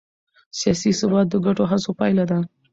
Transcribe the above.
سیاسي ثبات د ګډو هڅو پایله ده